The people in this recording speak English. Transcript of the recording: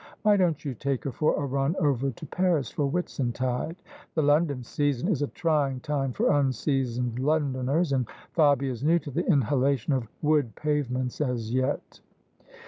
Why don't you take her for a run over to Paris for Whitsuntide? The London sea son is a trying time for unseasoned Londoners; and Fabia is new to the inhalation of wood pavements as yet."